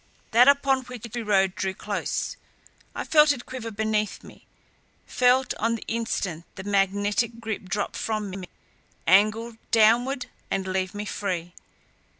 That upon which we rode drew close. I felt it quiver beneath me; felt on the instant, the magnetic grip drop from me, angle downward and leave me free.